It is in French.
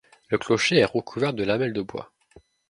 Le clocher est recouvert de lamelles de bois.